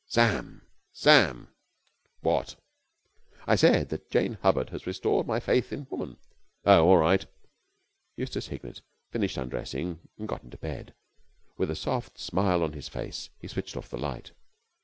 Sam! Sam!" "What?" "I said that Jane Hubbard had restored my faith in woman." "Oh, all right." Eustace Hignett finished undressing and got into bed. With a soft smile on his face he switched off the light.